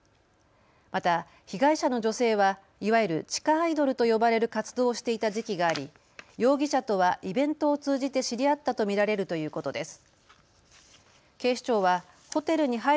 また被害者の女性はいわゆる地下アイドルと呼ばれる活動をしていた時期があり容疑者とはイベントを通じて知り合ったと見られるということです。